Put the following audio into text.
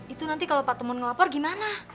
itu nanti kalau pak temun ngelapor gimana